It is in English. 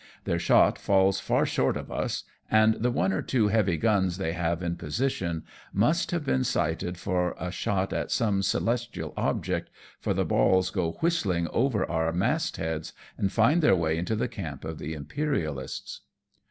Their shot falls far short of us, and the one or two heavy guns they have in position, must have been 224 AMONG TYPHOONS AND PIRATE CRAFT. sighted for a shot at some celestial object, for the balls go whistling over our mast heads, and find their way into the camp of the Imperialists.